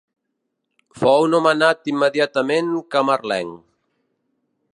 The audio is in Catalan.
Fou nomenat immediatament camarlenc.